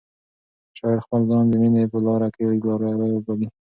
شاعر خپل ځان د مینې په لاره کې یو لاروی بولي.